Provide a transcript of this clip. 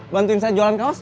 bantuin saya jualan kaos